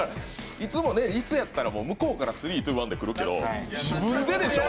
いつもね、椅子やったら向こうから３・２・１てくるけど自分ででてしょ？